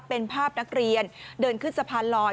เป็นภาพนักเรียนเดินขึ้นสะพานลอย